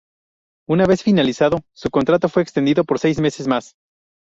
Una vez finalizado, su contrato fue extendido por seis meses más.